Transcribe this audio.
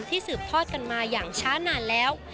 สืบทอดกันมาอย่างช้านานแล้ว